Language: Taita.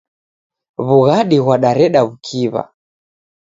W'ughadi ghwadareda w'ukiw'a